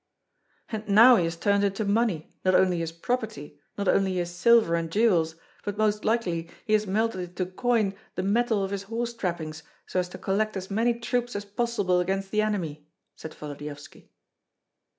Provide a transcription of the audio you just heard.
"And now he has turned into money, not only his property, not only his silver and jewels, but most likely he has melted into coin the metal of his horse trappings, so as to collect as many troops as possible against the enemy," said Volodyovski.